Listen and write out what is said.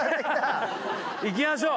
行きましょう！